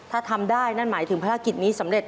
ถ้าทำได้นั่นหมายถึงภารกิจนี้สำเร็จ